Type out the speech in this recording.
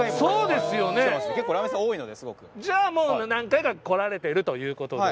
じゃあもう何回か来られてるということで。